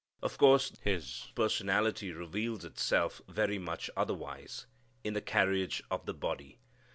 Of course his personality reveals itself very much otherwise. In the carriage of the body.